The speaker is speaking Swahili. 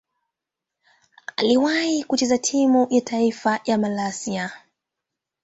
Aliwahi kucheza timu ya taifa ya Malaysia.